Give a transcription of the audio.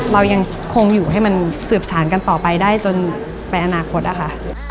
เรายังคงอยู่ให้มันสืบสารกันต่อไปได้จนไปอนาคตนะคะ